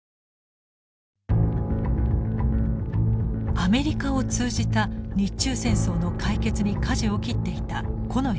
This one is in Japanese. アメリカを通じた日中戦争の解決にかじを切っていた近衛文麿。